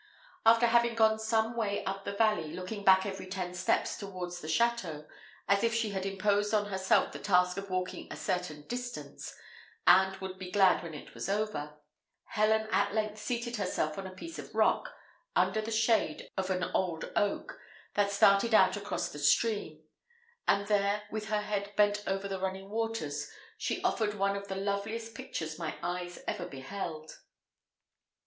After having gone some way up the valley, looking back every ten steps towards the château, as if she had imposed on herself the task of walking a certain distance, and would be glad when it was over, Helen at length seated herself on a piece of rock, under the shade of an old oak, that started out across the stream; and there, with her head bent over the running waters, she offered one of the loveliest pictures my eyes ever beheld.